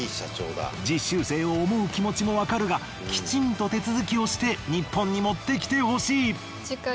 実習生を思う気持ちもわかるがきちんと手続きをして日本に持ってきてほしい。